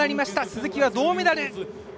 鈴木は銅メダル！